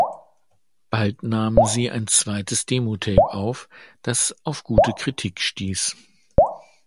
Bald nahmen sie ein zweites Demotape auf, das auf gute Kritik stieß.